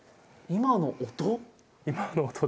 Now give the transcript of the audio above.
今の音？